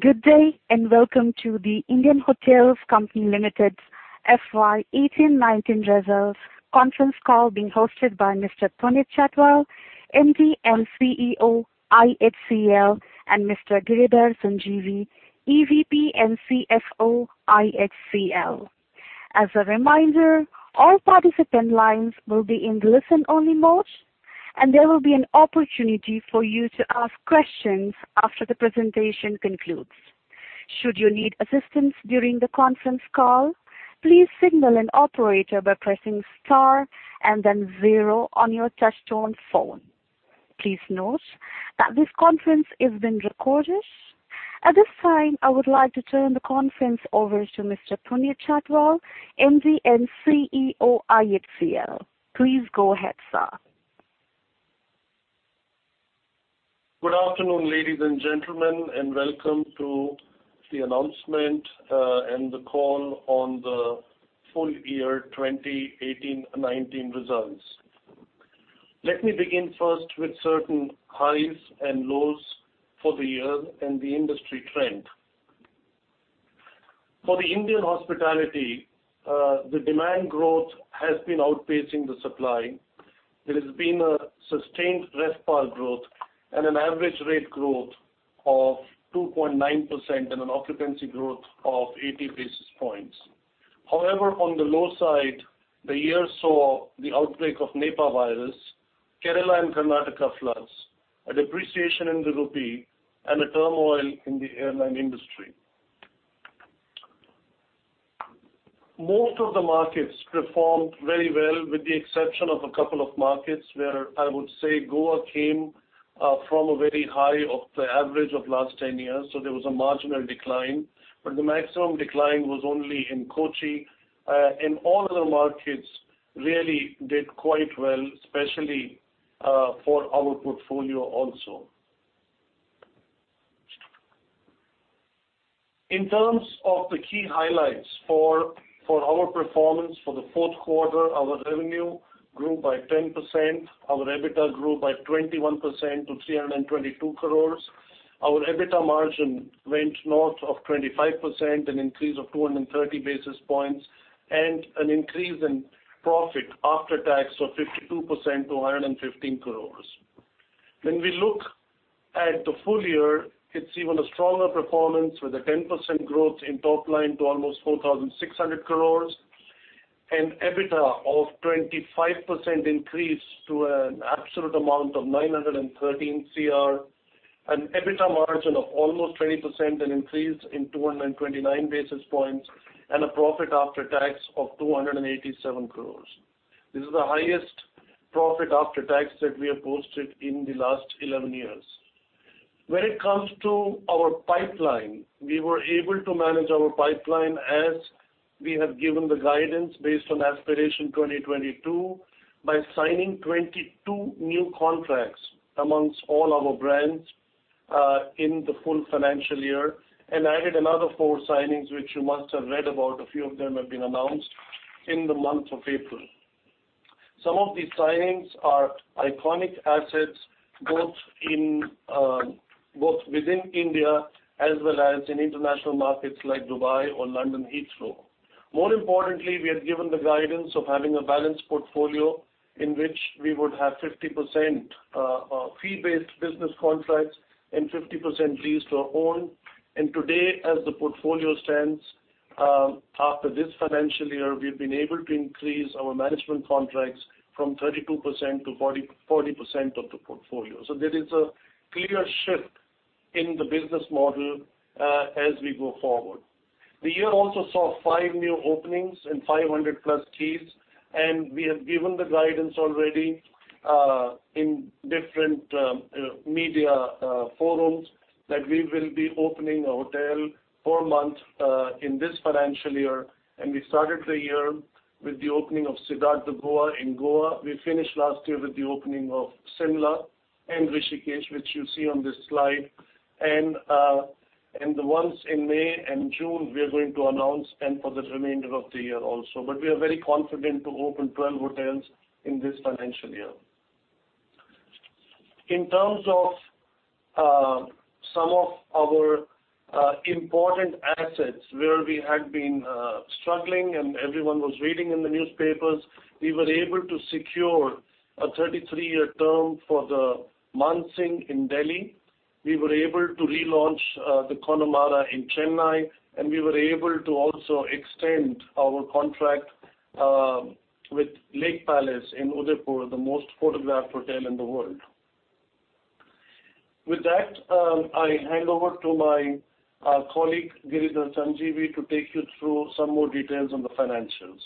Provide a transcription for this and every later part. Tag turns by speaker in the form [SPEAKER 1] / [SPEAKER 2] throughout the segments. [SPEAKER 1] Good day, welcome to The Indian Hotels Company Limited's FY 2018-2019 results conference call being hosted by Mr. Puneet Chhatwal, MD & CEO, IHCL, and Mr. Giridhar Sanjeevi, EVP & CFO, IHCL. As a reminder, all participant lines will be in listen only mode. There will be an opportunity for you to ask questions after the presentation concludes. Should you need assistance during the conference call, please signal an operator by pressing star then zero on your touchtone phone. Please note that this conference is being recorded. At this time, I would like to turn the conference over to Mr. Puneet Chhatwal, MD & CEO, IHCL. Please go ahead, sir.
[SPEAKER 2] Good afternoon, ladies and gentlemen, welcome to the announcement, the call on the full year 2018-2019 results. Let me begin first with certain highs and lows for the year and the industry trend. For the Indian hospitality, the demand growth has been outpacing the supply. There has been a sustained RevPAR growth and an average rate growth of 2.9% and an occupancy growth of 80 basis points. On the low side, the year saw the outbreak of Nipah virus, Kerala and Karnataka floods, a depreciation in the rupee, a turmoil in the airline industry. Most of the markets performed very well, with the exception of a couple of markets, where I would say Goa came from a very high of the average of last 10 years. There was a marginal decline, but the maximum decline was only in Kochi. All other markets really did quite well, especially for our portfolio also. In terms of the key highlights for our performance for the fourth quarter, our revenue grew by 10%, our EBITDA grew by 21% to 322 crores. Our EBITDA margin went north of 25%, an increase of 230 basis points, an increase in profit after tax of 52% to 115 crores. When we look at the full year, it's even a stronger performance with a 10% growth in top line to almost 4,600 crores and EBITDA of 25% increase to an absolute amount of 913 crores, an EBITDA margin of almost 20%, an increase in 229 basis points, a profit after tax of 287 crores. This is the highest profit after tax that we have posted in the last 11 years. When it comes to our pipeline, we were able to manage our pipeline as we have given the guidance based on Aspiration 2022, by signing 22 new contracts amongst all our brands, in the full financial year. Added another four signings, which you must have read about, a few of them have been announced in the month of April. Some of these signings are iconic assets, both within India as well as in international markets like Dubai or London Heathrow. More importantly, we have given the guidance of having a balanced portfolio in which we would have 50% fee-based business contracts and 50% lease to own. Today, as the portfolio stands, after this financial year, we've been able to increase our management contracts from 32%-40% of the portfolio. There is a clear shift in the business model as we go forward. The year also saw five new openings and 500+ keys. We have given the guidance already, in different media forums that we will be opening a hotel, four month in this financial year. We started the year with the opening of Cidade de Goa in Goa. We finished last year with the opening of Shimla and Rishikesh, which you see on this slide. The ones in May and June, we are going to announce and for the remainder of the year also. We are very confident to open 12 hotels in this financial year. In terms of some of our important assets where we had been struggling and everyone was reading in the newspapers, we were able to secure a 33-year term for the Taj Mansingh in Delhi. We were able to relaunch the Connemara in Chennai. We were able to also extend our contract with Lake Palace in Udaipur, the most photographed hotel in the world. With that, I hand over to my colleague, Giridhar Sanjeevi, to take you through some more details on the financials.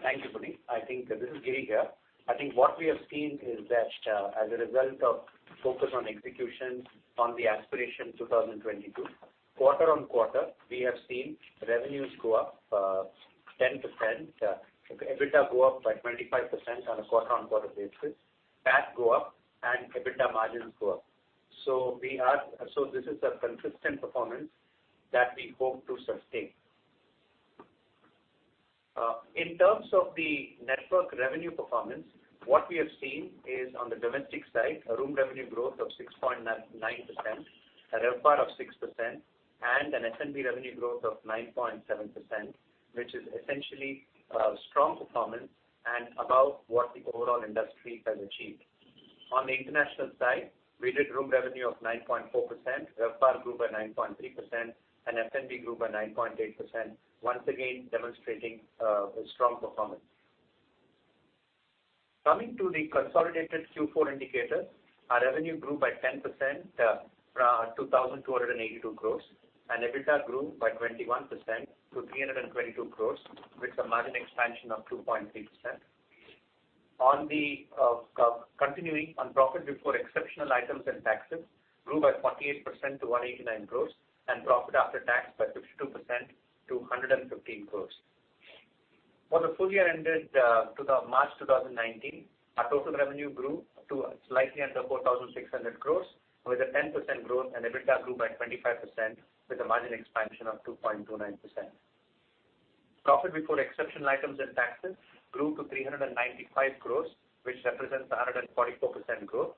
[SPEAKER 3] Thank you, Puneet. This is Giri here. I think what we have seen is that as a result of focus on execution on the Aspiration 2022, quarter-on-quarter, we have seen revenues go up 10%, EBITDA go up by 25% on a quarter-on-quarter basis, PAT go up and EBITDA margins go up. So this is a consistent performance that we hope to sustain. In terms of the network revenue performance, what we have seen is on the domestic side, a room revenue growth of 6.9%, a RevPAR of 6%, and an F&B revenue growth of 9.7%, which is essentially a strong performance and above what the overall industry has achieved. On the international side, we did room revenue of 9.4%, RevPAR grew by 9.3%, and F&B grew by 9.8%, once again demonstrating a strong performance. Coming to the consolidated Q4 indicators, our revenue grew by 10% to 2,282 crores. EBITDA grew by 21% to 322 crores, with a margin expansion of 2.3%. On continuing on profit before exceptional items and taxes grew by 48% to 189 crores. Profit after tax by 52% to 115 crores. For the full year ended March 2019, our total revenue grew to slightly under 4,600 crores with a 10% growth. EBITDA grew by 25% with a margin expansion of 2.29%. Profit before exceptional items and taxes grew to 395 crores, which represents 144% growth.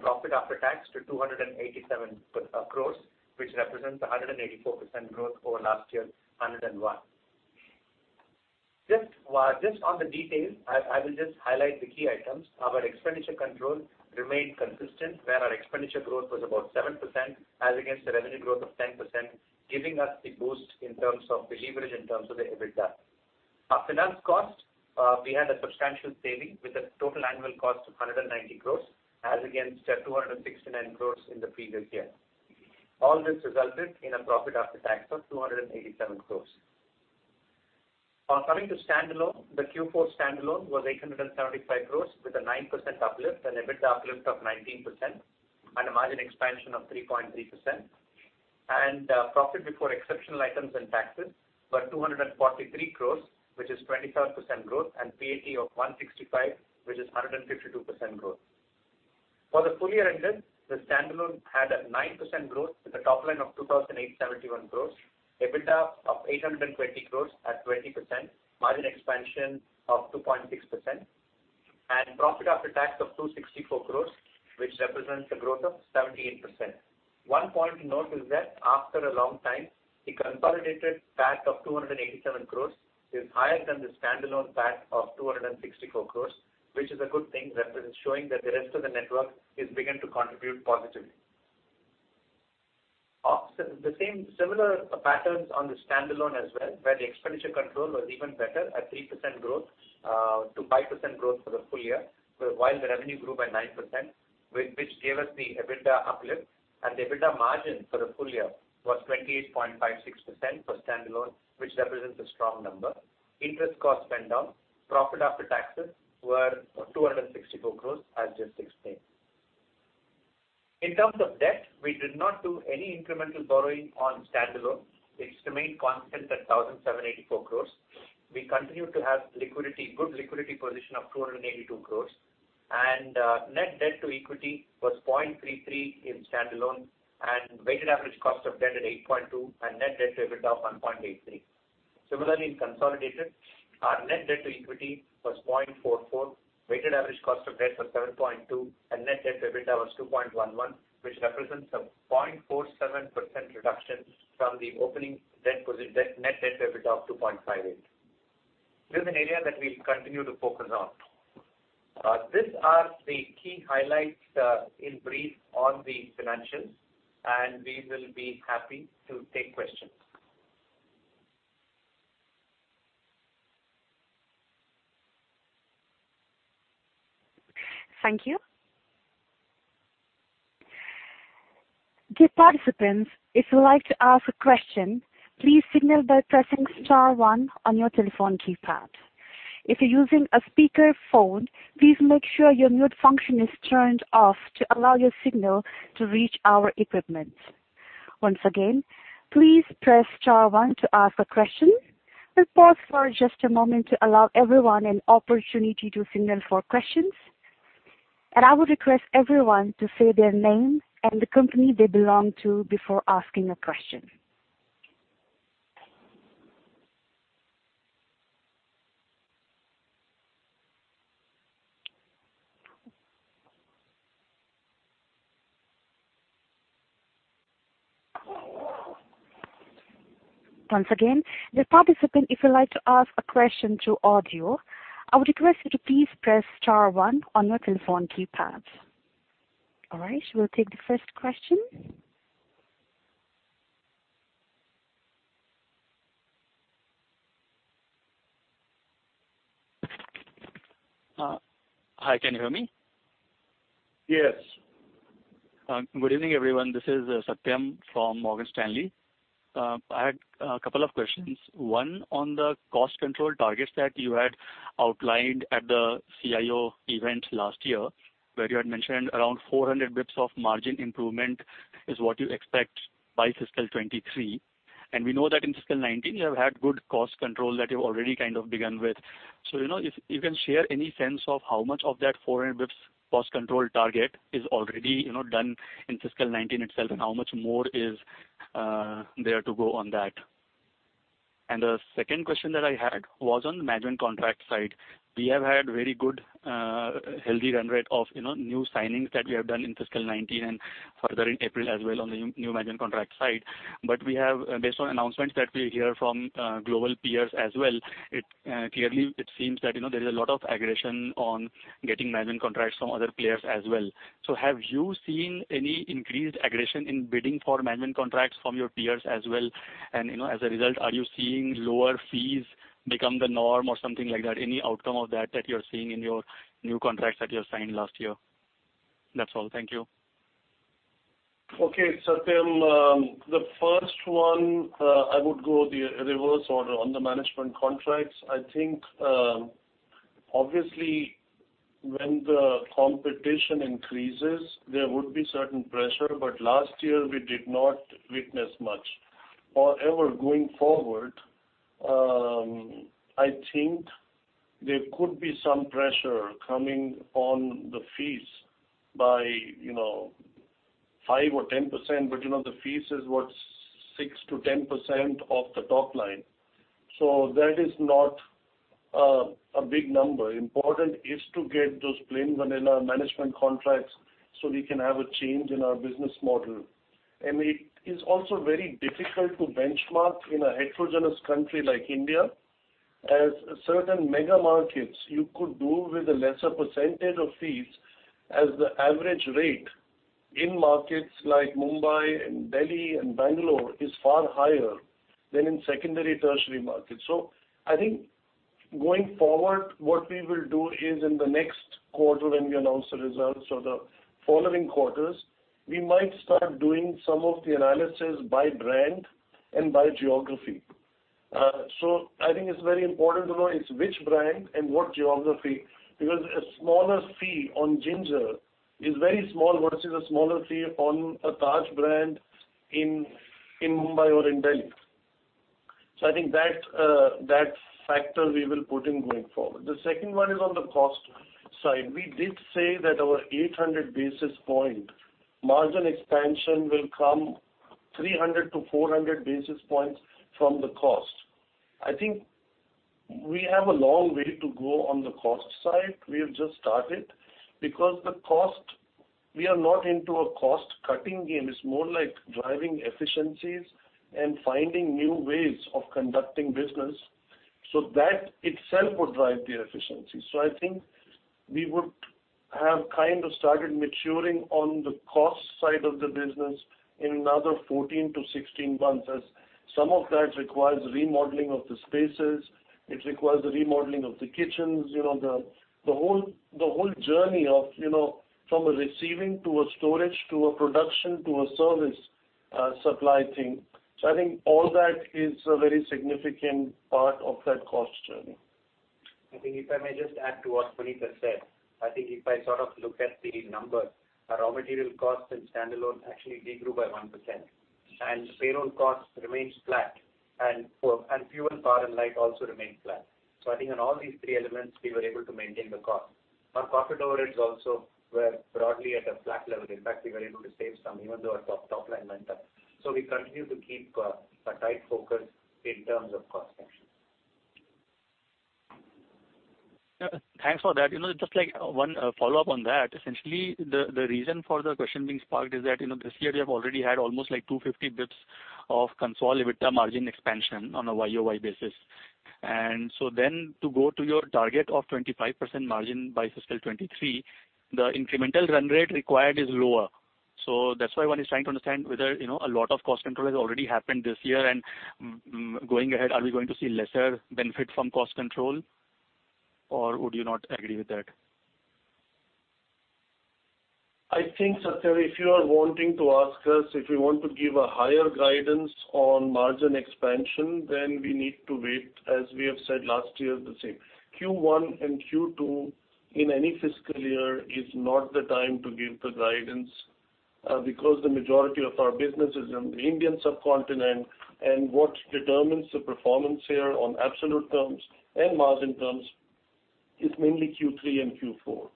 [SPEAKER 3] Profit after tax to 287 crores, which represents 184% growth over last year, 101. Just on the details, I will just highlight the key items. Our expenditure control remained consistent, where our expenditure growth was about 7% as against the revenue growth of 10%, giving us the boost in terms of the leverage in terms of the EBITDA. Our finance cost, we had a substantial saving with a total annual cost of 190 crore as against 269 crore in the previous year. All this resulted in a profit after tax of 287 crore. Now coming to standalone. The Q4 standalone was 875 crore with a 9% uplift, an EBITDA uplift of 19%, and a margin expansion of 3.3%. Profit before exceptional items and taxes was 243 crore, which is 23% growth, and PAT of 165 crore, which is 152% growth. For the full year ended, the standalone had a 9% growth with a top line of 2,871 crore, EBITDA of 820 crore at 20%, margin expansion of 2.6%, and profit after tax of 264 crore, which represents a growth of 17%. One point to note is that after a long time, the consolidated PAT of 287 crore is higher than the standalone PAT of 264 crore, which is a good thing that is showing that the rest of the network has begun to contribute positively. The same similar patterns on the standalone as well, where the expenditure control was even better at 3% growth to 5% growth for the full year, while the revenue grew by 9% which gave us the EBITDA uplift. The EBITDA margin for the full year was 28.56% for standalone, which represents a strong number. Interest costs went down. Profit after taxes were 264 crore as just explained. In terms of debt, we did not do any incremental borrowing on standalone. It remained constant at 1,784 crore. We continue to have good liquidity position of 282 crore, and net debt to equity was 0.33 in standalone and weighted average cost of debt at 8.2% and net debt to EBITDA of 1.83. Similarly, in consolidated, our net debt to equity was 0.44, weighted average cost of debt was 7.2%, and net debt to EBITDA was 2.11, which represents a 0.47% reduction from the opening net debt to EBITDA of 2.58. This is an area that we'll continue to focus on. These are the key highlights in brief on the financials. We will be happy to take questions.
[SPEAKER 1] Thank you. Dear participants, if you'd like to ask a question, please signal by pressing star one on your telephone keypad. If you're using a speakerphone, please make sure your mute function is turned off to allow your signal to reach our equipment. Once again, please press star one to ask a question. We'll pause for just a moment to allow everyone an opportunity to signal for questions. I would request everyone to say their name and the company they belong to before asking a question. Once again, dear participant, if you'd like to ask a question through audio, I would request you to please press star one on your telephone keypad. All right. We'll take the first question.
[SPEAKER 4] Hi, can you hear me?
[SPEAKER 3] Yes.
[SPEAKER 4] Good evening, everyone. This is Satyam from Morgan Stanley. I had a couple of questions. One on the cost control targets that you had outlined at the Investor Day last year, where you had mentioned around 400 basis points of margin improvement is what you expect by fiscal 2023. We know that in fiscal 2019, you have had good cost control that you've already kind of begun with. If you can share any sense of how much of that 400 basis points cost control target is already done in fiscal 2019 itself, and how much more is there to go on that? The second question that I had was on the management contract side. We have had very good, healthy run rate of new signings that we have done in fiscal 2019 and further in April as well on the new management contract side. Based on announcements that we hear from global peers as well, clearly it seems that there is a lot of aggression on getting management contracts from other players as well. Have you seen any increased aggression in bidding for management contracts from your peers as well? As a result, are you seeing lower fees become the norm or something like that? Any outcome of that that you're seeing in your new contracts that you have signed last year? That's all. Thank you.
[SPEAKER 2] Okay. Satyam, the first one, I would go the reverse order on the management contracts. I think, obviously, when the competition increases, there would be certain pressure, but last year we did not witness much. However, going forward, I think there could be some pressure coming on the fees by 5% or 10%, but the fees is what, 6%-10% of the top line. That is not a big number. Important is to get those plain vanilla management contracts so we can have a change in our business model. It is also very difficult to benchmark in a heterogeneous country like India, as certain mega markets you could do with a lesser percentage of fees as the average rate in markets like Mumbai and Delhi and Bangalore is far higher than in secondary tertiary markets. I think going forward, what we will do is in the next quarter when we announce the results or the following quarters, we might start doing some of the analysis by brand and by geography. I think it's very important to know it's which brand and what geography, because a smaller fee on Ginger is very small versus a smaller fee on a Taj brand in Mumbai or in Delhi. I think that factor we will put in going forward. The second one is on the cost side. We did say that our 800 basis point margin expansion will come 300 to 400 basis points from the cost. I think we have a long way to go on the cost side. We have just started because we are not into a cost-cutting game. It's more like driving efficiencies and finding new ways of conducting business. That itself would drive the efficiency. I think we would have kind of started maturing on the cost side of the business in another 14 to 16 months, as some of that requires remodeling of the spaces, it requires remodeling of the kitchens. The whole journey of from a receiving to a storage to a production to a service supply chain. I think all that is a very significant part of that cost journey.
[SPEAKER 3] I think if I may just add to what Puneet has said, I think if I sort of look at the number, our raw material cost in standalone actually grew by 1%, and payroll cost remains flat and fuel, power and light also remain flat. I think on all these three elements, we were able to maintain the cost. Our CapEx overheads also were broadly at a flat level. In fact, we were able to save some even though our top line went up. We continue to keep a tight focus in terms of cost reduction.
[SPEAKER 4] Thanks for that. Just one follow-up on that. Essentially, the reason for the question being sparked is that this year we have already had almost 250 basis points of console EBITDA margin expansion on a year-over-year basis. To go to your target of 25% margin by FY 2023, the incremental run rate required is lower. That's why one is trying to understand whether a lot of cost control has already happened this year. Going ahead, are we going to see lesser benefit from cost control? Or would you not agree with that?
[SPEAKER 2] I think, Satyam, if you are wanting to ask us if we want to give a higher guidance on margin expansion, we need to wait, as we have said last year the same. Q1 and Q2 in any fiscal year is not the time to give the guidance, because the majority of our business is in the Indian subcontinent, and what determines the performance here on absolute terms and margin terms is mainly Q3 and Q4.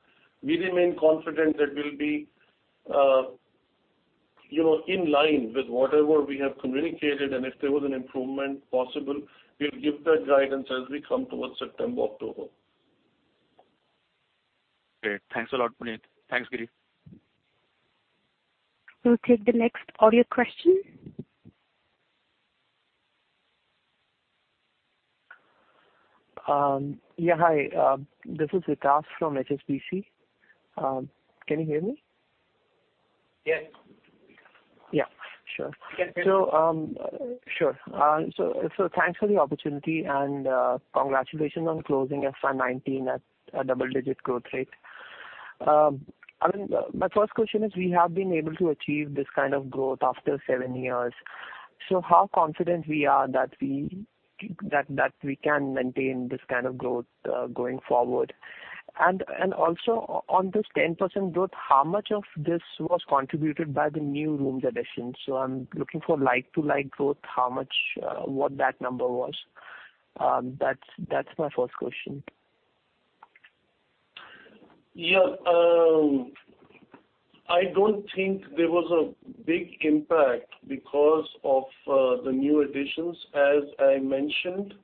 [SPEAKER 2] We remain confident that we'll be in line with whatever we have communicated, and if there was an improvement possible, we'll give that guidance as we come towards September, October.
[SPEAKER 4] Great. Thanks a lot, Puneet. Thanks, Giri.
[SPEAKER 1] We'll take the next audio question.
[SPEAKER 5] Hi, this is Ritesh from HSBC. Can you hear me?
[SPEAKER 3] Yes.
[SPEAKER 5] Yeah, sure.
[SPEAKER 3] Can hear you.
[SPEAKER 5] Sure. Thanks for the opportunity and congratulations on closing FY 2019 at a double-digit growth rate. My first question is, we have been able to achieve this kind of growth after seven years. How confident we are that we can maintain this kind of growth going forward? And also on this 10% growth, how much of this was contributed by the new rooms addition? I'm looking for like-to-like growth, how much, what that number was. That's my first question.
[SPEAKER 2] I don't think there was a big impact because of the new additions. As I mentioned,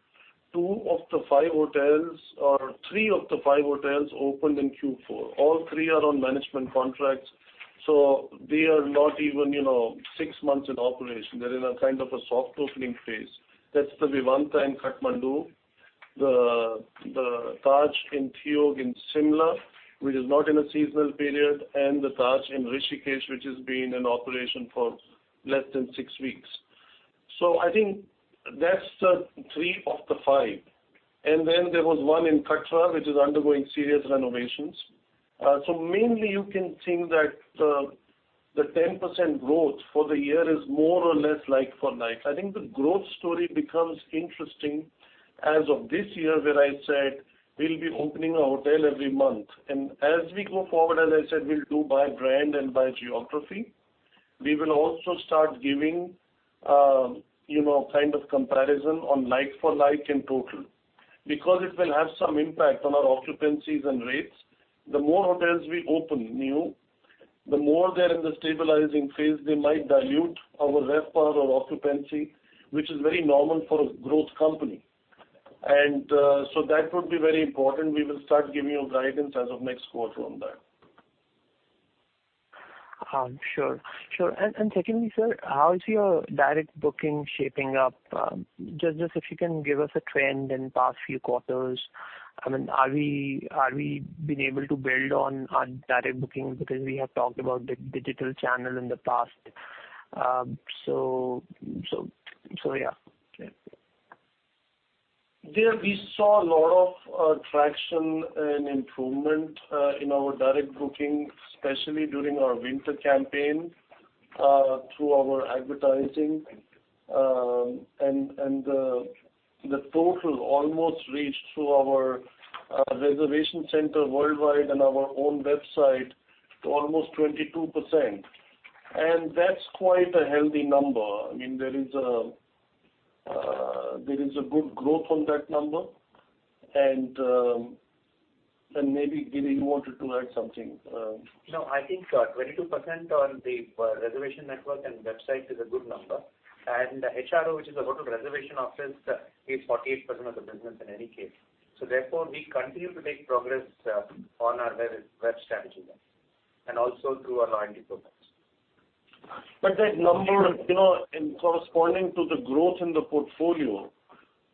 [SPEAKER 2] two of the five hotels or three of the five hotels opened in Q4. All three are on management contracts, so they are not even six months in operation. They're in a kind of a soft opening phase. That's the Vivanta in Kathmandu, the Taj in Theog in Shimla, which is not in a seasonal period, and the Taj in Rishikesh, which has been in operation for less than six weeks. I think that's the three of the five. And then there was one in Katra, which is undergoing serious renovations. Mainly you can think that the 10% growth for the year is more or less like-for-like. I think the growth story becomes interesting as of this year, where I said we'll be opening a hotel every month. As we go forward, as I said, we'll do by brand and by geography. We will also start giving a kind of comparison on like-for-like in total, because it will have some impact on our occupancies and rates. The more hotels we open new, the more they're in the stabilizing phase, they might dilute our RevPAR or occupancy, which is very normal for a growth company. That would be very important. We will start giving you guidance as of next quarter on that.
[SPEAKER 5] Sure. Secondly, sir, how is your direct booking shaping up? Just if you can give us a trend in past few quarters. Have we been able to build on our direct booking, because we have talked about the digital channel in the past. Yeah.
[SPEAKER 2] There we saw a lot of traction and improvement in our direct booking, especially during our winter campaign, through our advertising. The total almost reached through our reservation center worldwide and our own website to almost 22%. That's quite a healthy number. There is a good growth on that number. Maybe, Girish, you wanted to add something?
[SPEAKER 3] No, I think 22% on the reservation network and website is a good number. The HRO, which is the Hotel Reservation Office, is 48% of the business in any case. Therefore we continue to make progress on our web strategy then, and also through our loyalty programs.
[SPEAKER 2] That number, corresponding to the growth in the portfolio,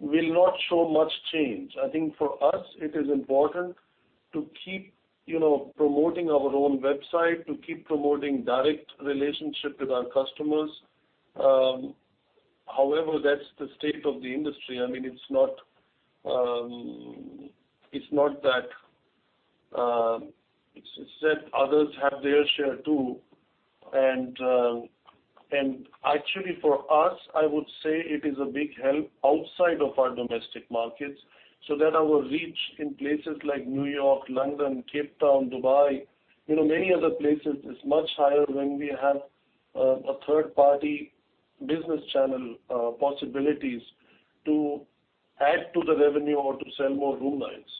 [SPEAKER 2] will not show much change. For us it is important to keep promoting our own website, to keep promoting direct relationship with our customers. That's the state of the industry. Others have their share, too. Actually, for us, I would say it is a big help outside of our domestic markets, so that our reach in places like New York, London, Cape Town, Dubai, many other places, is much higher when we have a third-party business channel possibilities to add to the revenue or to sell more room nights.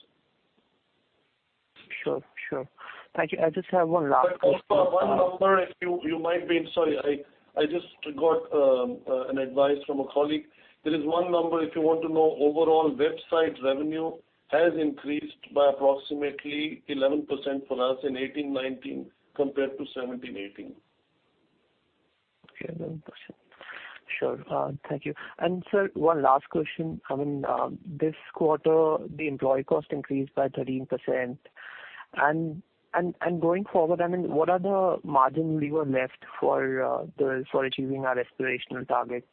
[SPEAKER 5] Sure. Thank you. I just have one last question.
[SPEAKER 2] Sorry, I just got advice from a colleague. There is one number if you want to know. Overall website revenue has increased by approximately 11% for us in 2018, 2019 compared to 2017, 2018.
[SPEAKER 5] Okay. 11%. Sure. Thank you. Sir, one last question. This quarter, the employee cost increased by 13%. Going forward, what are the margin we were left for achieving our aspirational target?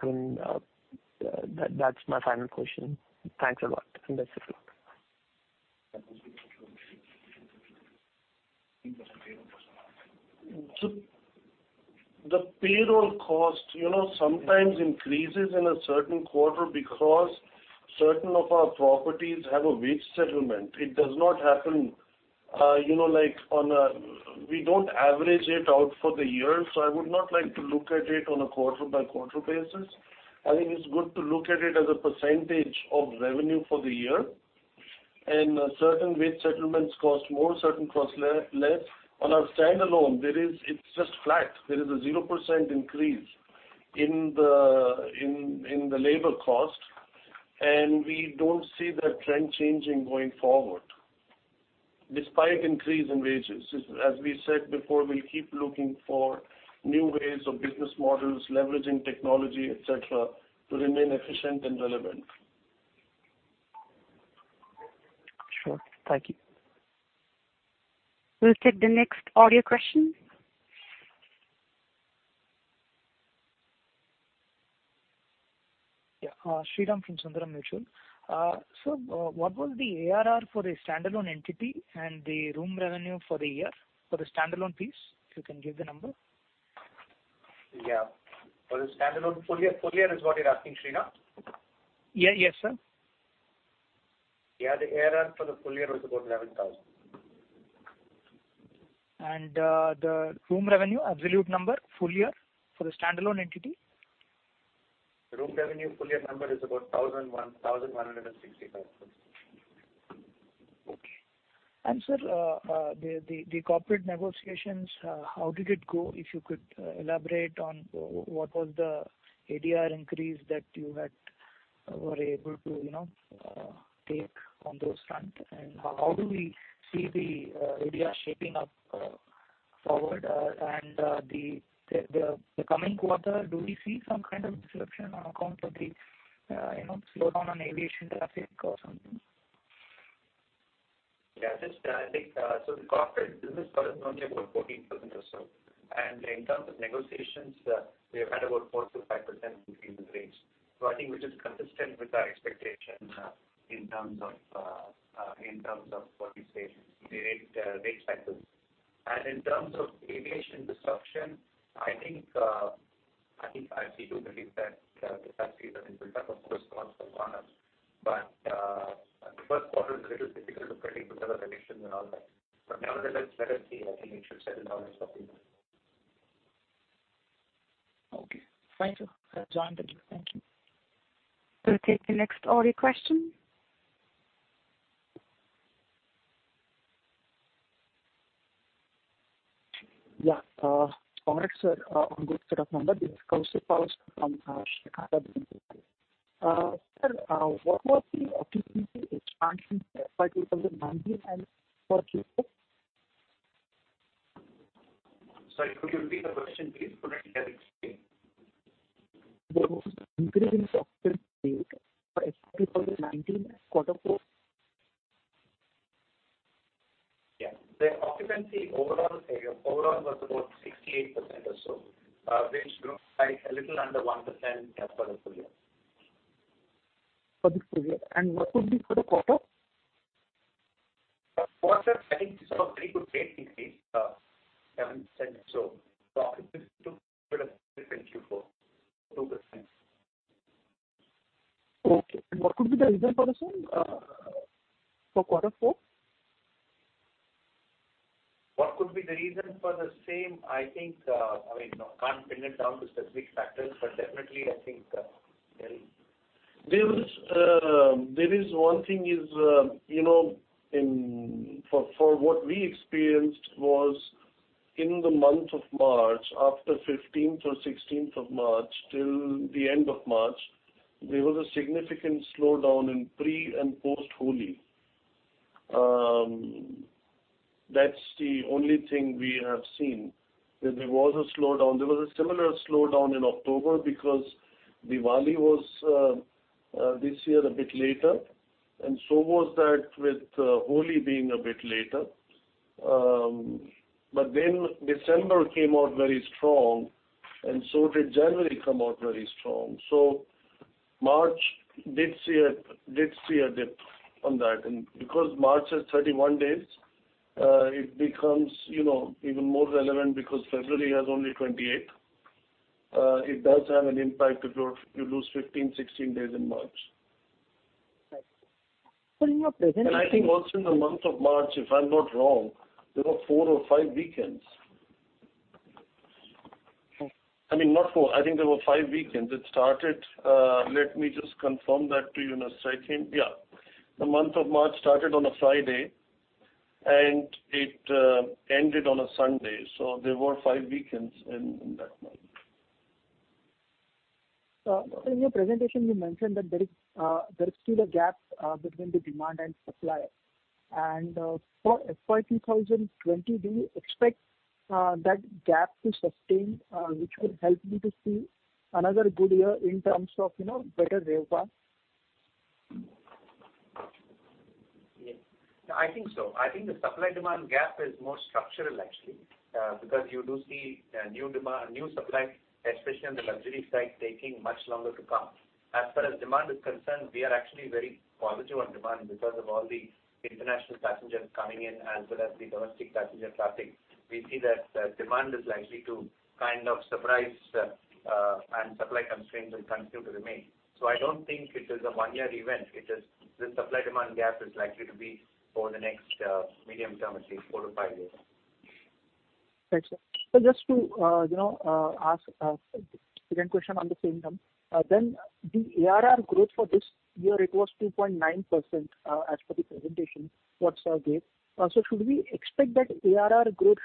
[SPEAKER 5] That's my final question. Thanks a lot, and that's it.
[SPEAKER 2] The payroll cost sometimes increases in a certain quarter because certain of our properties have a wage settlement. We don't average it out for the year, so I would not like to look at it on a quarter-by-quarter basis. I think it's good to look at it as a percentage of revenue for the year. Certain wage settlements cost more, certain cost less. On our standalone, it's just flat. There is a 0% increase in the labor cost. We don't see that trend changing going forward. Despite increase in wages, as we said before, we'll keep looking for new ways of business models, leveraging technology, et cetera, to remain efficient and relevant.
[SPEAKER 5] Sure. Thank you.
[SPEAKER 1] We'll take the next audio question.
[SPEAKER 6] Shriram from Sundaram Mutual. Sir, what was the ARR for the standalone entity and the room revenue for the year? For the standalone piece, if you can give the number.
[SPEAKER 3] Yeah. For the standalone full year. Full year is what you are asking, Shriram?
[SPEAKER 6] Yes, sir.
[SPEAKER 3] Yeah. The ARR for the full year was about 11,000.
[SPEAKER 6] The room revenue, absolute number, full year for the standalone entity?
[SPEAKER 3] Room revenue full year number is about 1,160 crore.
[SPEAKER 6] Okay. Sir, the corporate negotiations, how did it go? If you could elaborate on what was the ADR increase that you were able to take on those front and how do we see the ADR shaping up forward? The coming quarter, do we see some kind of disruption on account of the slowdown on aviation traffic or something?
[SPEAKER 3] Yeah. The corporate business for us is only about 14% or so. In terms of negotiations, we have had about 4%-5% increase in rates. I think we're just consistent with our expectations in terms of what we say, the rate cycles. In terms of aviation disruption, I think I'm still believing that the traffic is going to build up, of course, post Coronavirus. The first quarter is a little difficult to predict because of the elections and all that. Nevertheless, let us see. I think it should settle down at some point.
[SPEAKER 6] Okay. Thank you, sir. Thank you.
[SPEAKER 1] We'll take the next audio question.
[SPEAKER 7] Yeah. Correct sir, on this set of number this is Kaushik Rao from Goldman Sachs. Sir, what was the occupancy expansion for 2019 and for Q4?
[SPEAKER 3] Sorry. Could you repeat the question, please? Couldn't hear it clearly.
[SPEAKER 7] The increase in occupancy rate for FY 2019 quarter four.
[SPEAKER 3] Yeah. The occupancy overall was about 68% or so. Which grew by a little under 1% as per the full year.
[SPEAKER 7] For this full year. What could be for the quarter?
[SPEAKER 3] Quarter, I think we saw a very good rate increase, 7% or so. Occupancy took a bit of a hit then Q4, 2%.
[SPEAKER 7] Okay. What could be the reason for the same for quarter four?
[SPEAKER 3] What could be the reason for the same? I can't pin it down to specific factors, definitely.
[SPEAKER 2] There is one thing is, for what we experienced was in the month of March, after 15th or 16th of March till the end of March, there was a significant slowdown in pre and post Holi. That's the only thing we have seen. There was a slowdown. There was a similar slowdown in October because Diwali was this year a bit later, and so was that with Holi being a bit later. December came out very strong and so did January come out very strong. March did see a dip on that. Because March has 31 days it becomes even more relevant because February has only 28. It does have an impact if you lose 15, 16 days in March.
[SPEAKER 7] Right. Sir, in your presentation-
[SPEAKER 2] I think also in the month of March, if I'm not wrong, there were four or five weekends.
[SPEAKER 7] Okay.
[SPEAKER 2] I mean, not four. I think there were five weekends. Let me just confirm that to you. Yeah. The month of March started on a Friday and it ended on a Sunday. There were five weekends in that month.
[SPEAKER 7] Sir, in your presentation you mentioned that there is still a gap between the demand and supply. For FY 2020, do you expect that gap to sustain which would help you to see another good year in terms of better RevPAR?
[SPEAKER 3] Yes. I think so. I think the supply-demand gap is more structural, actually because you do see new supply, especially on the luxury side, taking much longer to come. As far as demand is concerned, we are actually very positive on demand because of all the international passengers coming in as well as the domestic passenger traffic. We see that demand is likely to kind of surprise and supply constraints will continue to remain. I don't think it is a one-year event. The supply-demand gap is likely to be for the next medium term, at least four to five years.
[SPEAKER 7] Thanks, sir. Just to ask a second question on the same term, the ARR growth for this year it was 2.9% as per the presentation what sir gave. Should we expect that ARR growth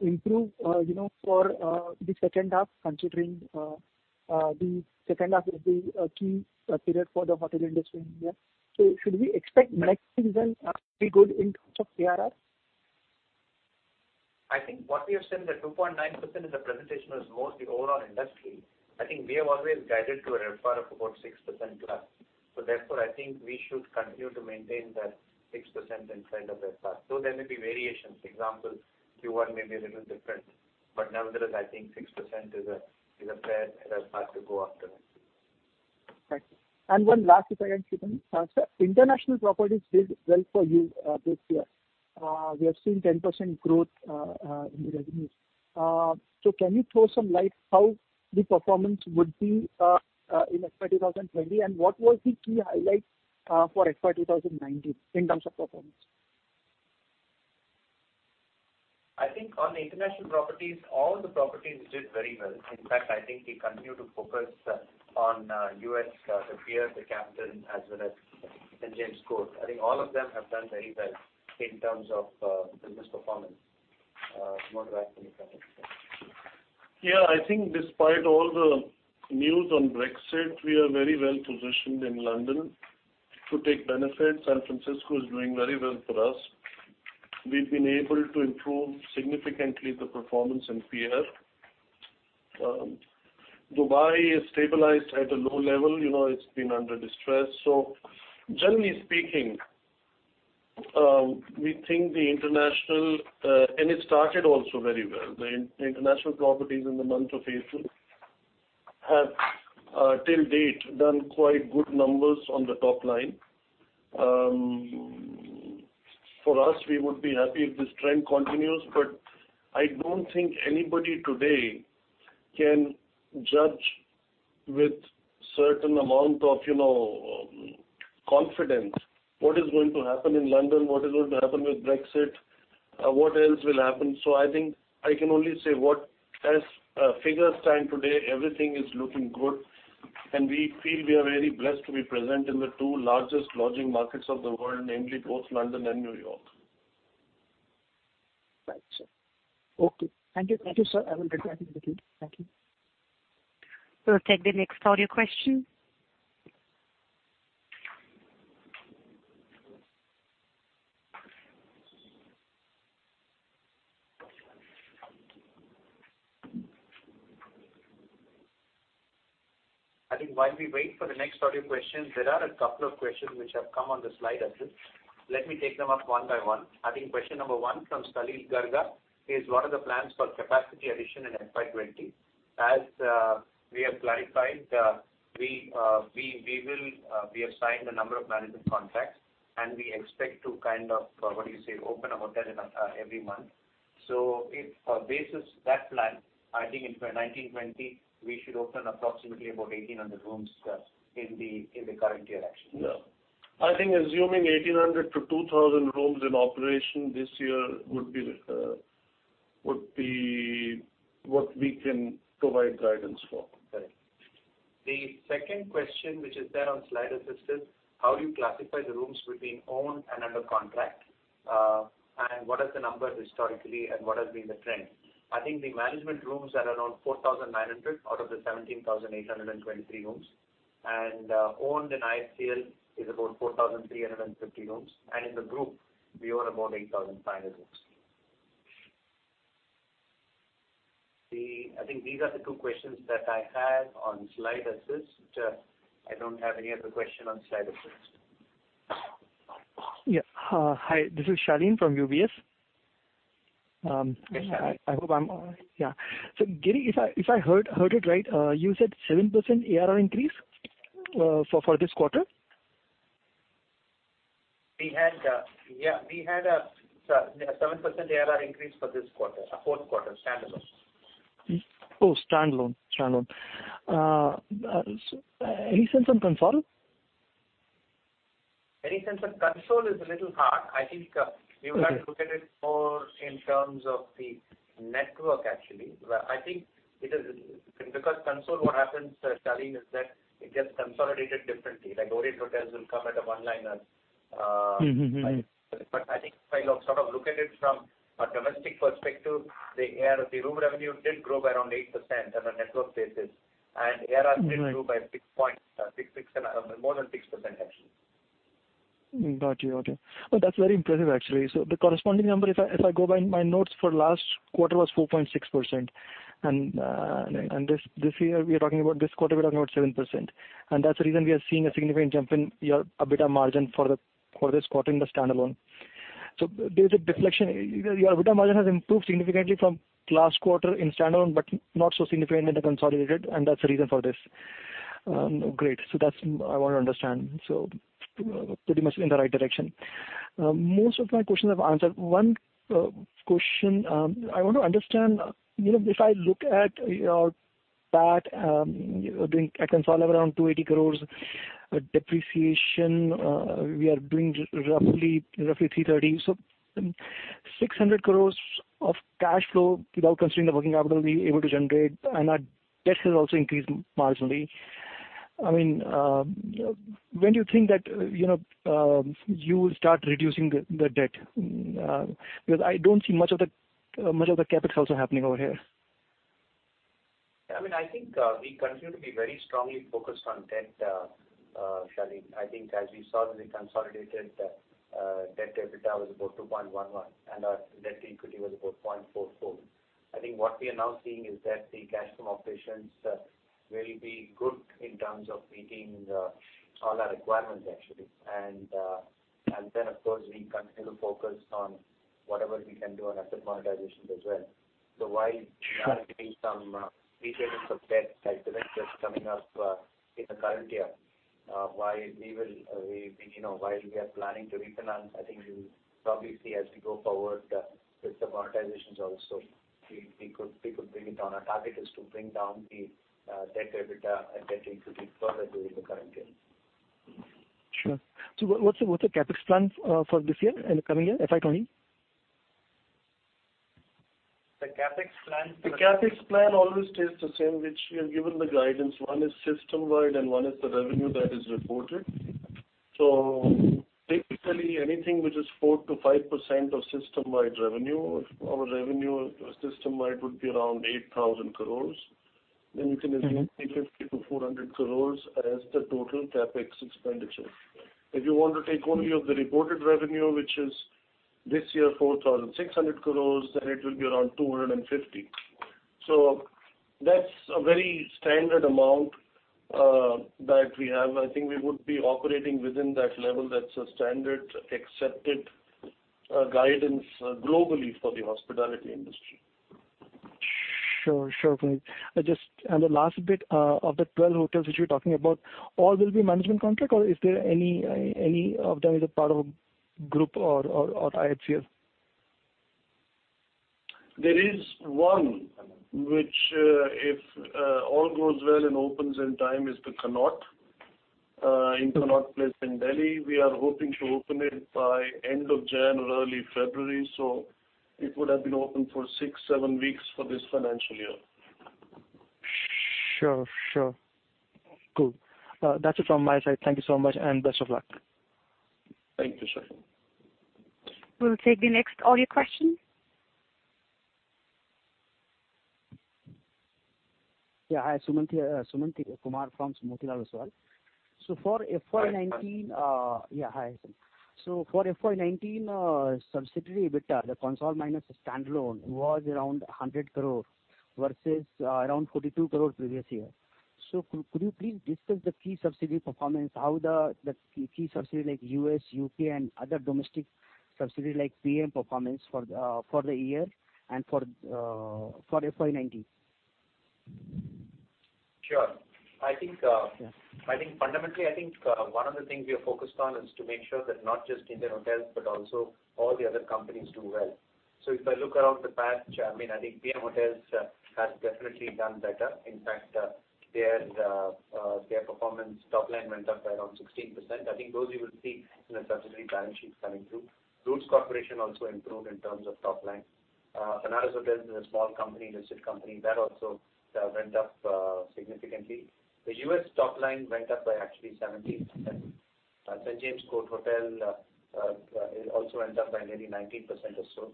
[SPEAKER 7] improve for the second half, considering the second half will be a key period for the hotel industry in India? Should we expect next season to be good in terms of ARR?
[SPEAKER 3] I think what we have said that 2.9% in the presentation was mostly overall industry. I think we have always guided to a RevPAR of about 6% plus. Therefore, I think we should continue to maintain that 6% in front of RevPAR. There may be variations. For example, Q1 may be a little different, but nevertheless, I think 6% is a fair RevPAR to go after.
[SPEAKER 7] Right. One last, if I can, Sir. International properties did well for you this year. We have seen 10% growth in the revenues. Can you throw some light how the performance would be in FY 2020, and what was the key highlights for FY 2019 in terms of performance?
[SPEAKER 3] I think on the international properties, all the properties did very well. In fact, I think we continue to focus on U.S., The Pierre, Taj Campton Place, as well as St. James' Court. I think all of them have done very well in terms of business performance. Do you want to add anything, Puneet, sir?
[SPEAKER 2] Yeah, I think despite all the news on Brexit, we are very well-positioned in London to take benefit. San Francisco is doing very well for us. We've been able to improve significantly the performance in The Pierre. Dubai is stabilized at a low level. It's been under distress. Generally speaking, we think it started also very well. The international properties in the month of April have, till date, done quite good numbers on the top line. For us, we would be happy if this trend continues, I don't think anybody today can judge with certain amount of confidence what is going to happen in London, what is going to happen with Brexit, what else will happen. I think I can only say what as figures stand today, everything is looking good, and we feel we are very blessed to be present in the two largest lodging markets of the world, namely both London and New York.
[SPEAKER 7] Right, sir. Okay. Thank you, sir. I will return it back to you. Thank you.
[SPEAKER 1] We'll take the next audio question.
[SPEAKER 3] I think while we wait for the next audio question, there are a couple of questions which have come on the Slido system. Let me take them up one by one. I think question number 1 from Salil Garga is, "What are the plans for capacity addition in FY 2020?" As we have clarified, we have signed a number of management contracts, and we expect to open a hotel every month. If on basis that plan, I think in 1920, we should open approximately about 1,800 rooms in the current year actually.
[SPEAKER 2] Yeah. I think assuming 1,800-2,000 rooms in operation this year would be what we can provide guidance for.
[SPEAKER 3] Right. The second question, which is there on Slido system, "How do you classify the rooms between owned and under contract? And what is the number historically and what has been the trend?" I think the management rooms are around 4,900 out of the 17,823 rooms. Owned in IHCL is about 4,350 rooms. In the group, we own about 8,500 rooms. I think these are the two questions that I have on Slido system. I don't have any other question on Slido system.
[SPEAKER 8] Yeah. Hi, this is Shalin from UBS.
[SPEAKER 3] Yes, Shalin.
[SPEAKER 8] Giri, if I heard it right, you said 7% ARR increase for this quarter?
[SPEAKER 3] We had a 7% ARR increase for this quarter, fourth quarter, standalone.
[SPEAKER 8] Standalone. Any sense on console?
[SPEAKER 3] Any sense on console is a little hard. I think you have to look at it more in terms of the network, actually. Console, what happens, Shalin, is that it gets consolidated differently. Like Orient Hotels will come at a one liner. I think if I look at it from a domestic perspective, the room revenue did grow by around 8% on a network basis, ARR did grow by more than 6% actually.
[SPEAKER 8] Got you. Okay. That's very impressive, actually. The corresponding number, if I go by my notes for last quarter, was 4.6%. This year, we're talking about this quarter, we're talking about 7%. That's the reason we are seeing a significant jump in your EBITDA margin for this quarter in the standalone. There's a deflection. Your EBITDA margin has improved significantly from last quarter in standalone, but not so significant in the consolidated, and that's the reason for this. Great. That's I want to understand. Pretty much in the right direction. Most of my questions have answered. One question, I want to understand if I look at your PAT doing at console around 280 crore, depreciation we are doing roughly 330. 600 crore of cash flow without considering the working capital we able to generate and our debt has also increased marginally. When do you think that you will start reducing the debt? Because I don't see much of the capital also happening over here.
[SPEAKER 3] I think we continue to be very strongly focused on debt, Shalin. I think as we saw in the consolidated debt, EBITDA was about 2.11 and our debt to equity was about 0.44. I think what we are now seeing is that the cash from operations will be good in terms of meeting all our requirements, actually. Then, of course, we continue to focus on whatever we can do on asset monetizations as well. So while there are going to be some repayment of debt as the rent is coming up in the current year, while we are planning to refinance, I think you will probably see as we go forward with the monetizations also, we could bring it down. Our target is to bring down the debt EBITDA and debt interest further during the current year.
[SPEAKER 8] Sure. What's the CapEx plan for this year and the coming year, FY 2020?
[SPEAKER 3] The CapEx plan?
[SPEAKER 2] The CapEx plan always stays the same, which we have given the guidance. One is system-wide and one is the revenue that is reported. Basically anything which is 4%-5% of system-wide revenue. Our revenue system-wide would be around 8,000 crores. You can assume 350-400 crores as the total CapEx expenditure. If you want to take only of the reported revenue, which is this year 4,600 crores, it will be around 250 crores. That's a very standard amount that we have. I think we would be operating within that level. That's a standard accepted guidance globally for the hospitality industry.
[SPEAKER 8] Sure. The last bit, of the 12 hotels which you're talking about, all will be management contract or is there any of them is a part of a group or IHCL?
[SPEAKER 2] There is one which, if all goes well and opens in time, is the Connaught, in Connaught Place in Delhi. We are hoping to open it by end of January or early February. It would have been open for six, seven weeks for this financial year.
[SPEAKER 8] Sure. Cool. That's it from my side. Thank you so much, and best of luck.
[SPEAKER 2] Thank you, sir.
[SPEAKER 1] We will take the next audio question.
[SPEAKER 9] Yeah, hi. Sumant Kumar from Motilal Oswal. For FY 2019-
[SPEAKER 2] Hi.
[SPEAKER 9] Yeah, hi. For FY 2019 subsidiary EBITDA, the consolidated minus standalone was around 100 crore versus around 42 crore previous year. Could you please discuss the key subsidiary performance? How the key subsidiary like U.S., U.K., and other domestic subsidiaries like PM performance for the year and for FY 2019?
[SPEAKER 3] Sure. Fundamentally, I think one of the things we are focused on is to make sure that not just Indian hotels, but also all the other companies do well. If I look around the patch, I think PM Hotels have definitely done better. In fact, their performance top line went up by around 16%. I think those you will see in the subsidiary balance sheets coming through. Roots Corporation also improved in terms of top line. Benares Hotels is a small company, listed company, that also went up significantly. The U.S. top line went up by actually 17%. St. James' Court Hotel also went up by nearly 19% or so.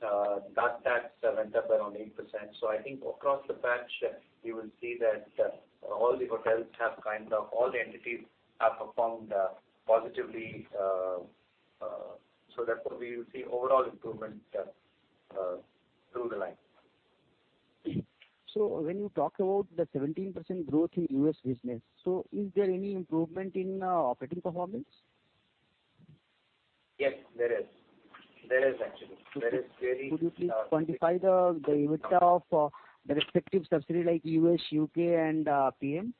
[SPEAKER 3] Taj SATS went up around 8%. I think across the patch, you will see that all the entities have performed positively. Therefore, we will see overall improvement through the line.
[SPEAKER 9] When you talk about the 17% growth in U.S. business, is there any improvement in operating performance?
[SPEAKER 3] Yes, there is. There is actually.
[SPEAKER 9] Could you please quantify the EBITDA of the respective subsidiary like U.S., U.K., and PM?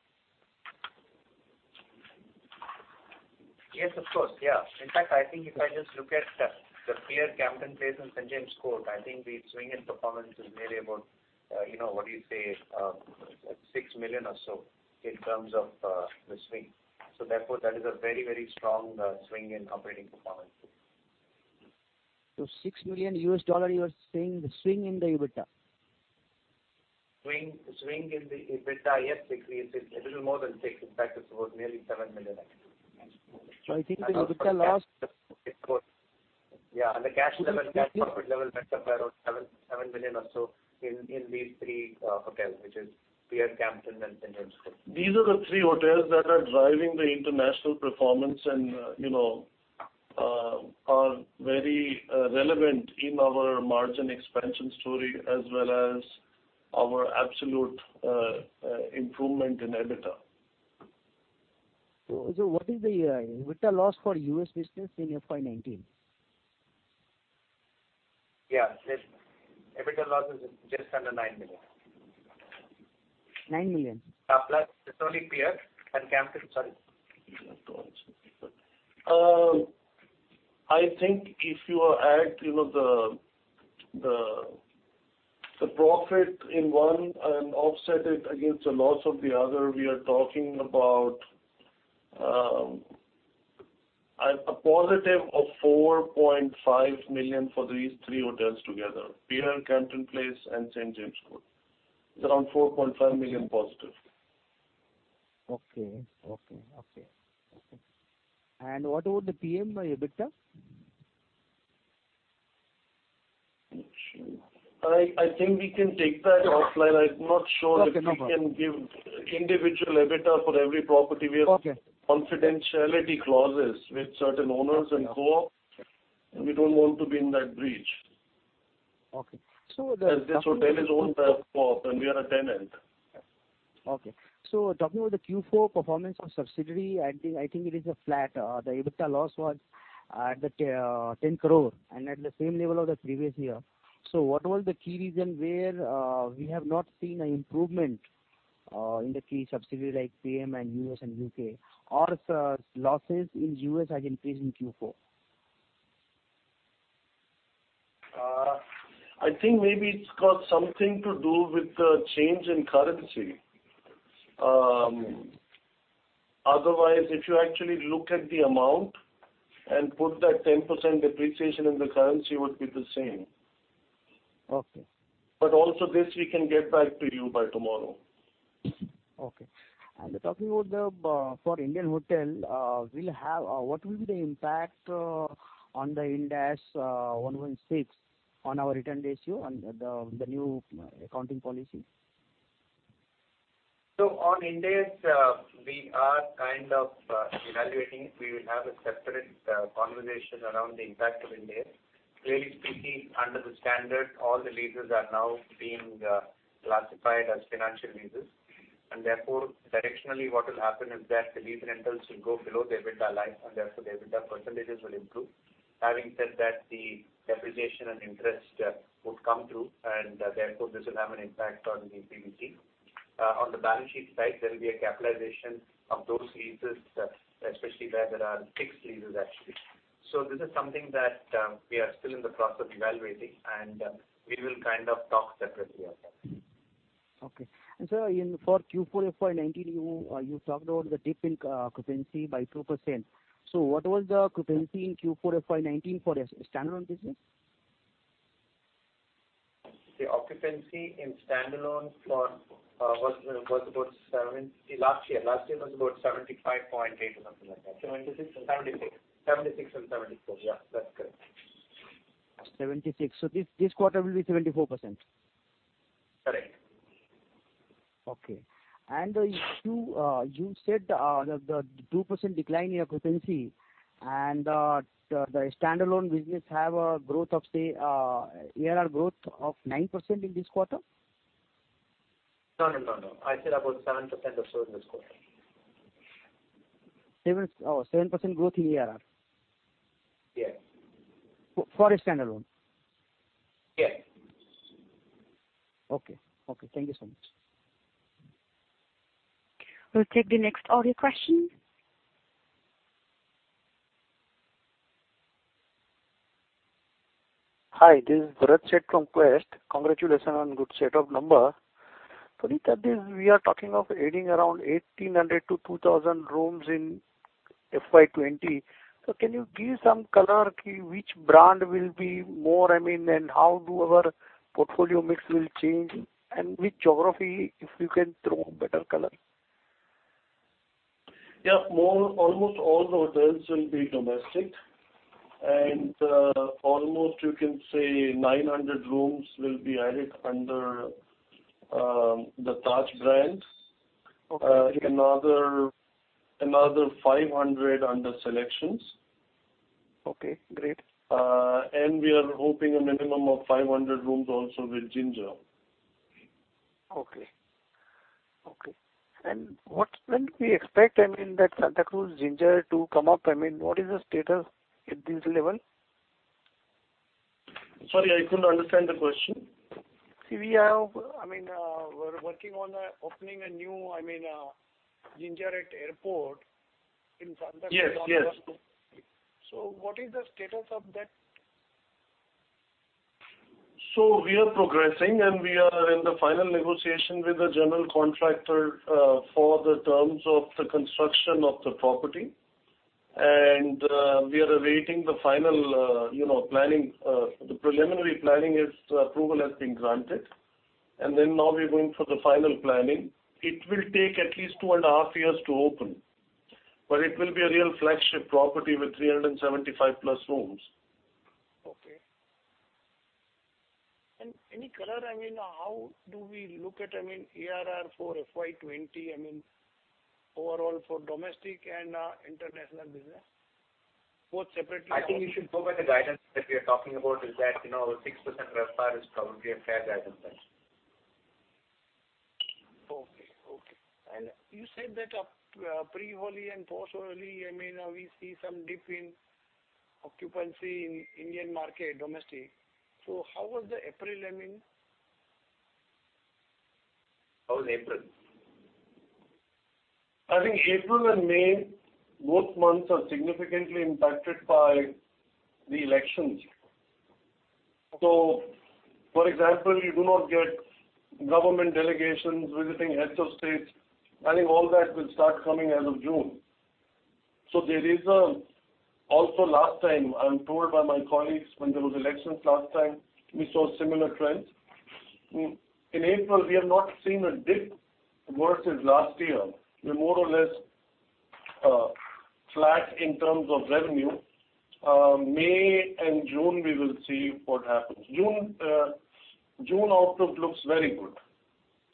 [SPEAKER 3] Yes, of course. Yeah. In fact, I think if I just look at The Pierre, Campton Place, and St. James' Court, I think the swing in performance is maybe about, what do you say, $6 million or so in terms of the swing. Therefore, that is a very strong swing in operating performance.
[SPEAKER 9] $6 million U.S. dollars you are saying the swing in the EBITDA?
[SPEAKER 3] Swing in the EBITDA, yes. It's a little more than 6 million. In fact, it's about nearly 7 million actually.
[SPEAKER 9] I think the EBITDA.
[SPEAKER 3] The cash profit level went up by around 7 million or so in these three hotels, which is Pierre, Campton, and St. James' Court.
[SPEAKER 2] These are the three hotels that are driving the international performance and are very relevant in our margin expansion story as well as our absolute improvement in EBITDA.
[SPEAKER 9] What is the EBITDA loss for U.S. business in FY 2019?
[SPEAKER 3] Yeah. EBITDA loss is just under $9 million.
[SPEAKER 9] $9 million.
[SPEAKER 3] It's only Pierre and Campton. Sorry.
[SPEAKER 2] I think if you add the profit in one and offset it against the loss of the other, we are talking about a positive of 4.5 million for these three hotels together. Pierre, Campton Place, and St. James' Court. It's around 4.5 million positive.
[SPEAKER 9] Okay. What about the PM EBITDA?
[SPEAKER 2] I think we can take that offline. I'm not sure if we can give individual EBITDA for every property.
[SPEAKER 9] Okay.
[SPEAKER 2] We have confidentiality clauses with certain owners and co-op, and we don't want to be in that breach.
[SPEAKER 9] Okay.
[SPEAKER 2] As this hotel is owned by a co-op and we are a tenant
[SPEAKER 9] Okay. Talking about the Q4 performance of subsidiary, I think it is flat. The EBITDA loss was at 10 crore and at the same level of the previous year. What was the key reason where we have not seen an improvement in the key subsidiary like PM and U.S. and U.K.? Also, losses in U.S. have increased in Q4.
[SPEAKER 2] I think maybe it's got something to do with the change in currency. Otherwise, if you actually look at the amount and put that 10% depreciation in the currency, it would be the same.
[SPEAKER 9] Okay.
[SPEAKER 2] Also this we can get back to you by tomorrow.
[SPEAKER 9] Okay. Talking about for Indian Hotel, what will be the impact on the Ind AS 116 on our return ratio on the new accounting policy?
[SPEAKER 3] On Ind AS, we are kind of evaluating. We will have a separate conversation around the impact of Ind AS. Clearly speaking, under the standard, all the leases are now being classified as financial leases. Therefore, directionally what will happen is that the lease rentals will go below the EBITDA line, and therefore the EBITDA % will improve. Having said that, the depreciation and interest would come through, and therefore, this will have an impact on the PBT. On the balance sheet side, there will be a capitalization of those leases, especially where there are fixed leases, actually. This is something that we are still in the process of evaluating, and we will talk separately on that.
[SPEAKER 9] Okay. Sir, for Q4 FY 2019, you talked about the dip in occupancy by 2%. What was the occupancy in Q4 FY 2019 for your standalone business?
[SPEAKER 3] The occupancy in standalone last year was about 75.8, or something like that.
[SPEAKER 2] Seventy-six.
[SPEAKER 3] 76 and 74. Yeah, that's correct.
[SPEAKER 9] 76. This quarter will be 74%?
[SPEAKER 3] Correct.
[SPEAKER 9] Okay. You said the 2% decline in your occupancy and the standalone business have ARR growth of 9% in this quarter?
[SPEAKER 3] No, I said about 7% or so in this quarter.
[SPEAKER 9] Oh, 7% growth in ARR.
[SPEAKER 3] Yes.
[SPEAKER 9] For a standalone.
[SPEAKER 3] Yes.
[SPEAKER 9] Okay. Thank you so much.
[SPEAKER 1] We'll take the next audio question.
[SPEAKER 10] Hi, this is Bharat Sheth from Quest. Congratulations on good set of number. Puneet, we are talking of adding around 1,800 to 2,000 rooms in FY 2020. Can you give some color key which brand will be more, how our portfolio mix will change, which geography, if you can throw a better color?
[SPEAKER 2] Yeah. Almost all hotels will be domestic. Almost you can say 900 rooms will be added under the Taj brand.
[SPEAKER 10] Okay.
[SPEAKER 2] Another 500 under SeleQtions.
[SPEAKER 10] Okay, great.
[SPEAKER 2] We are hoping a minimum of 500 rooms also with Ginger.
[SPEAKER 10] Okay. When do we expect that Santa Cruz Ginger to come up? What is the status at this level?
[SPEAKER 2] Sorry, I couldn't understand the question.
[SPEAKER 10] We're working on opening a new Ginger at airport in Santa Cruz.
[SPEAKER 2] Yes.
[SPEAKER 10] What is the status of that?
[SPEAKER 2] We are progressing, we are in the final negotiation with the general contractor for the terms of the construction of the property. We are awaiting the final planning. The preliminary planning approval has been granted. Now we're going for the final planning. It will take at least two and a half years to open. It will be a real flagship property with 375 plus rooms.
[SPEAKER 10] Okay. Any color, how do we look at ARR for FY 2020, overall for domestic and international business? Both separately-
[SPEAKER 3] I think you should go by the guidance that we are talking about is that, 6% RevPAR is probably a fair guidance.
[SPEAKER 10] You said that pre-Holi and post-Holi, we see some dip in occupancy in Indian market, domestic. How was the April?
[SPEAKER 3] How was April?
[SPEAKER 2] I think April and May, both months are significantly impacted by the elections. For example, you do not get government delegations, visiting heads of states. I think all that will start coming as of June. Last time, I'm told by my colleagues, when there was elections last time, we saw similar trends. In April, we have not seen a dip worse as last year. We're more or less flat in terms of revenue. May and June, we will see what happens. June outlook looks very good.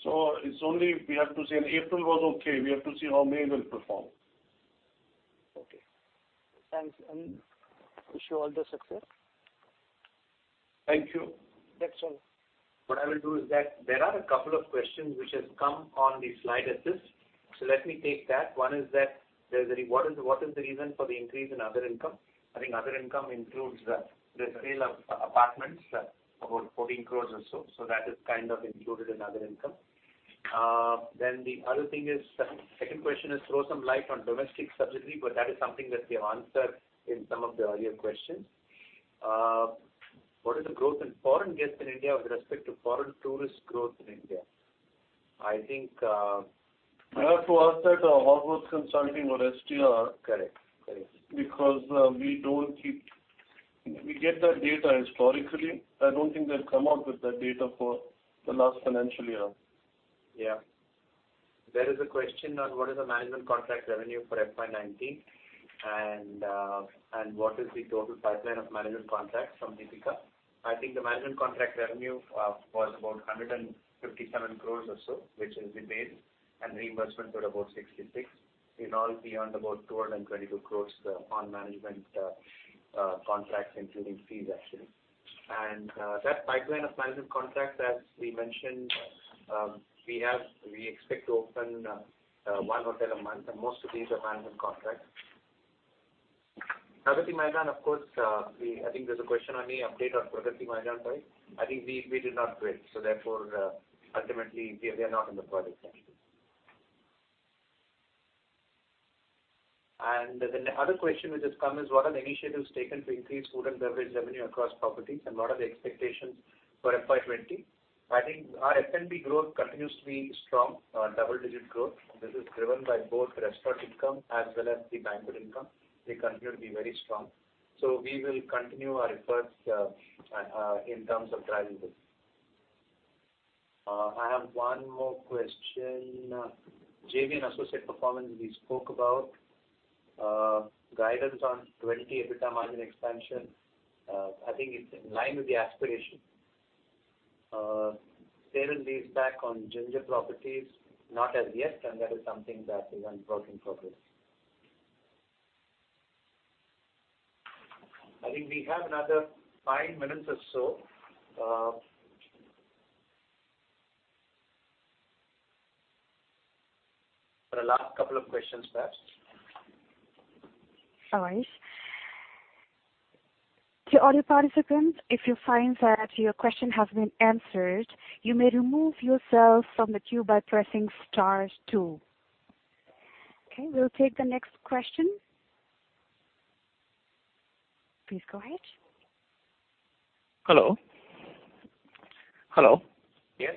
[SPEAKER 2] We have to say April was okay. We have to see how May will perform.
[SPEAKER 10] Thanks, wish you all the success.
[SPEAKER 3] Thank you.
[SPEAKER 10] That's all.
[SPEAKER 3] What I will do is that there are a couple of questions which have come on the Slido list. Let me take that. One is that, what is the reason for the increase in other income? I think other income includes the sale of apartments, about 14 crores or so. That is kind of included in other income. The other thing is, second question is throw some light on domestic subsidiary, but that is something that we have answered in some of the earlier questions. What is the growth in foreign guests in India with respect to foreign tourist growth in India?
[SPEAKER 2] You have to ask that of HVS or STR.
[SPEAKER 3] Correct.
[SPEAKER 2] We get that data historically. I don't think they've come out with that data for the last financial year.
[SPEAKER 3] Yeah. There is a question on what is the management contract revenue for FY 2019, and what is the total pipeline of management contracts from Deepika. I think the management contract revenue was about 157 crores or so, which will be made, and reimbursements were about 66. In all, beyond about 222 crores on management contracts including fees, actually. That pipeline of management contracts, as we mentioned, we expect to open one hotel a month, and most of these are management contracts. Pragati Maidan, of course, I think there's a question on the update on Pragati Maidan, right? I think we did not bid, therefore, ultimately, we are not in the project. The other question which has come is what are the initiatives taken to increase food and beverage revenue across properties and what are the expectations for FY 2020? I think our F&B growth continues to be strong, double-digit growth. This is driven by both restaurant income as well as the banquet income. They continue to be very strong. We will continue our efforts in terms of driving this. I have one more question. JV and associate performance we spoke about. Guidance on 20% EBITDA margin expansion. I think it's in line with the aspiration. Payment lease back on Ginger properties, not as yet, and that is something that is on work in progress. I think we have another five minutes or so. For the last couple of questions perhaps.
[SPEAKER 1] All right. To all participants, if you find that your question has been answered, you may remove yourself from the queue by pressing star two. Okay, we'll take the next question. Please go ahead.
[SPEAKER 11] Hello? Hello?
[SPEAKER 3] Yes?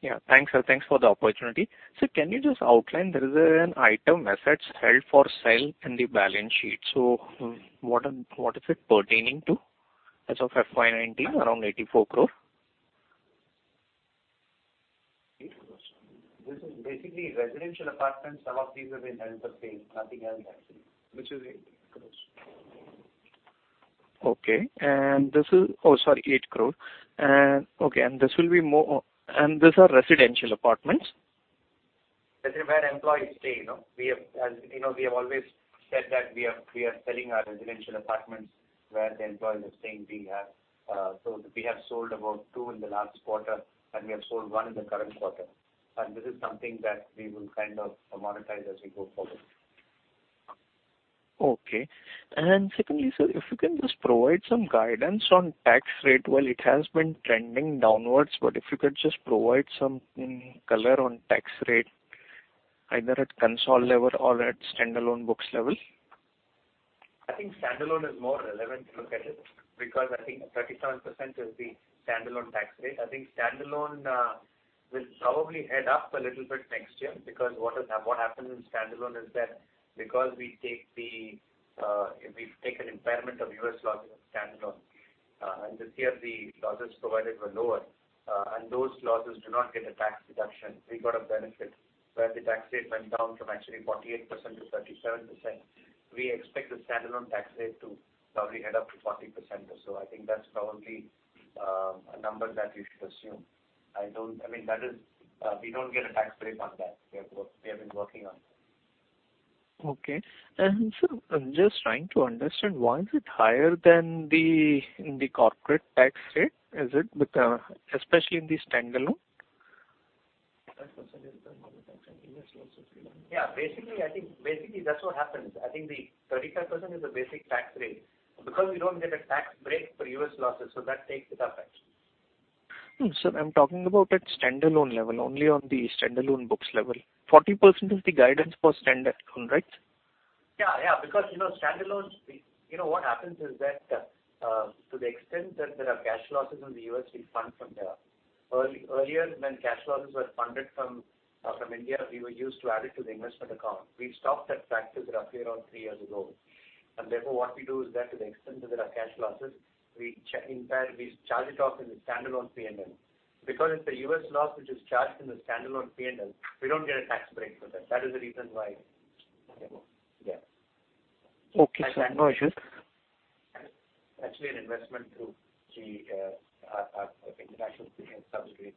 [SPEAKER 11] Yeah. Thanks for the opportunity. Can you just outline, there is an item assets held for sale in the balance sheet. What is it pertaining to as of FY 2019 around 84 crore?
[SPEAKER 3] This is basically residential apartments. Some of these have been held for sale. Nothing else actually.
[SPEAKER 2] Which is INR 8 crore.
[SPEAKER 11] Okay. Oh, sorry, 8 crore. Okay, and these are residential apartments?
[SPEAKER 3] That's where employees stay. We have always said that we are selling our residential apartments where the employees are staying. We have sold about two in the last quarter, and we have sold one in the current quarter. This is something that we will kind of monetize as we go forward.
[SPEAKER 11] Okay. Secondly, sir, if you can just provide some guidance on tax rate. It has been trending downwards, but if you could just provide some color on tax rate, either at consolidated level or at standalone books level.
[SPEAKER 3] I think standalone is more relevant to look at it because I think 37% is the standalone tax rate. I think standalone will probably head up a little bit next year because what happens in standalone is that because we take an impairment of U.S. losses standalone. This year, the losses provided were lower. Those losses do not get a tax deduction. We got a benefit where the tax rate went down from actually 48% to 37%. We expect the standalone tax rate to probably head up to 40% or so. I think that's probably a number that you should assume. We don't get a tax break on that. We have been working on it.
[SPEAKER 11] Okay. Sir, I'm just trying to understand why is it higher than in the corporate tax rate, especially in the standalone?
[SPEAKER 2] That percentage is the normal tax on U.S. losses.
[SPEAKER 3] Yeah, basically, I think that's what happens. I think the 35% is the basic tax rate. We don't get a tax break for U.S. losses, that takes it up actually.
[SPEAKER 11] Sir, I'm talking about at standalone level, only on the standalone books level. 40% is the guidance for standalone, right?
[SPEAKER 3] Yeah. Because standalone, what happens is that, to the extent that there are cash losses in the U.S., we fund from there. Earlier when cash losses were funded from India, we were used to add it to the investment account. We stopped that practice roughly around three years ago. Therefore, what we do is that to the extent that there are cash losses, we charge it off in the standalone P&L. Because it's a U.S. loss which is charged in the standalone P&L, we don't get a tax break for that. That is the reason why.
[SPEAKER 11] Okay, sir. No issues.
[SPEAKER 3] Actually an investment through our international division subsidiary.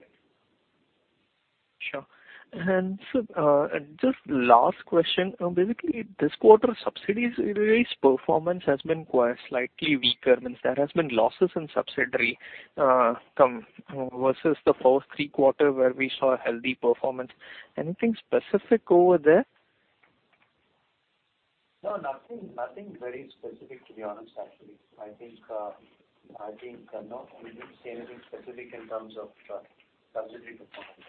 [SPEAKER 11] Sure. Sir, just last question. Basically, this quarter, subsidiaries' performance has been quite slightly weaker, means there has been losses in subsidiary versus the first three quarter where we saw a healthy performance. Anything specific over there?
[SPEAKER 3] No, nothing very specific, to be honest, actually. I think not. We didn't see anything specific in terms of subsidiary performance.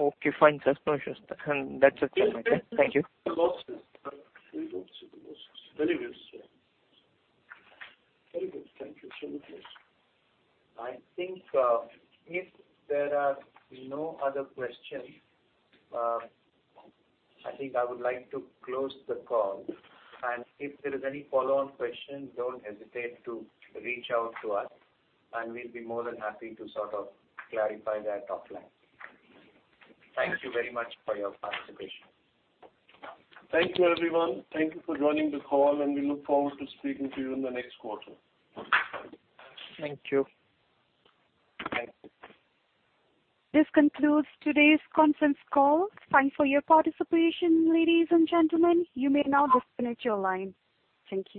[SPEAKER 11] Okay, fine, sir. No issues. That's it from my side. Thank you.
[SPEAKER 2] Very good, sir. Very good. Thank you.
[SPEAKER 3] I think if there are no other questions, I think I would like to close the call. If there is any follow-on question, don't hesitate to reach out to us, and we'll be more than happy to sort of clarify that offline. Thank you very much for your participation.
[SPEAKER 2] Thank you, everyone. Thank you for joining the call, and we look forward to speaking to you in the next quarter.
[SPEAKER 11] Thank you.
[SPEAKER 3] Thank you.
[SPEAKER 1] This concludes today's conference call. Thank you for your participation, ladies and gentlemen. You may now disconnect your lines. Thank you.